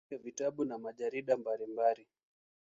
Ameandika vitabu na majarida mbalimbali.